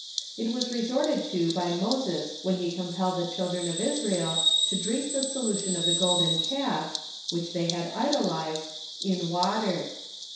It was re sorted to by Moses, when he compelled the children of Israel, to drink the solution of the golden calf (which they had idolized) in water.